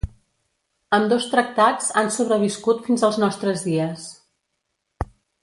Ambdós tractats han sobreviscut fins als nostres dies.